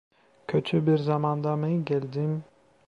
Kötü bir zamanda mı geldim?